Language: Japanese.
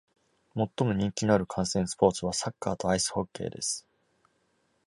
最も人気のある観戦スポーツはサッカーとアイスホッケーです。